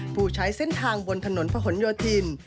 ผู้ใช้เส้นทางบนถนนพะหนโยธิน